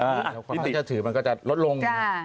ละก็จะถือมันก็จะลดลง